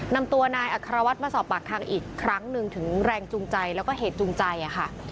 นำตัวนายอัครวัฒน์มาสอบปากคำอีกครั้งหนึ่งถึงแรงจูงใจแล้วก็เหตุจูงใจค่ะ